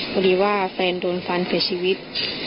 พอดีว่าแฟนโดนฟันเสียชีวิต